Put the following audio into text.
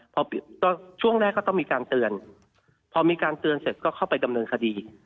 พอช่วงแรกก็ต้องมีการเตือนพอมีการเตือนเสร็จก็เข้าไปดำเนินคดี